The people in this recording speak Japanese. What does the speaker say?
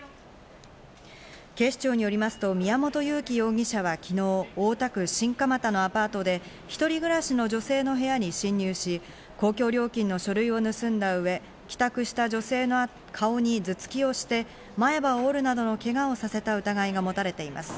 警視庁によりますと、宮本祐樹容疑者は昨日、大田区新蒲田のアパートで一人暮らしの女性の部屋に侵入し、公共料金の書類を盗んだ上、帰宅した女性の顔に頭突きをして、前歯を折るなどのけがをさせた疑いが持たれています。